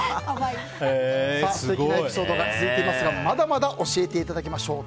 素敵なエピソードが続いていますがまだまだ教えていただきましょう。